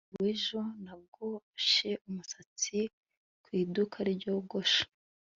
Ku munsi wejo nogoshe umusatsi ku iduka ryogosha